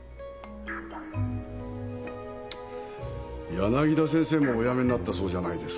柳田先生もお辞めになったそうじゃないですか。